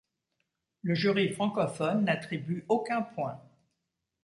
Le jury francophone n'attribue aucun point.